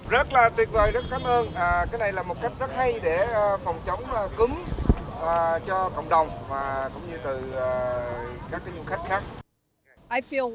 rất là tuyệt vời rất cảm ơn cái này là một cách rất hay để phòng chống cúm cho cộng đồng và cũng như từ các du khách khác